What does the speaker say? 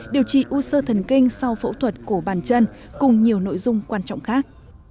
điều trị u sơ thần kinh sau phẫu thuật cổ bàn chân cùng nhiều nội dung quan trọng khác